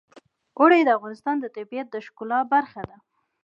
اوړي د افغانستان د طبیعت د ښکلا برخه ده.